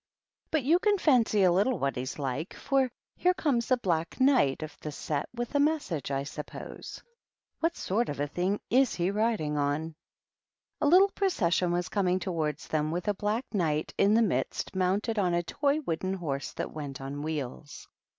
But you can fancy a little what he's like, for here comes a Black Knight of the Bet with a message, I suppose. What sort of a tiling is he riding on ?" A little procession was coming towards them with a Black Knight in the midst mounted on a toy wooden horse that went on wheels.